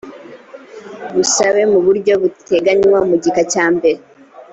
busabe mu buryo butegnywa mu gika cyambere